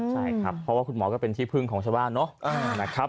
ใช่ครับเพราะว่าคุณหมอก็เป็นที่พึ่งของชาวบ้านเนาะนะครับ